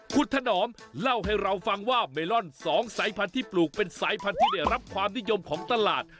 คุณถนอมเล่าให้เราฟังว่าเมลอน๒สายพันธุ์ที่ปลูกเป็นสายพันธุ์ที่ได้รับความนิยมของตลาด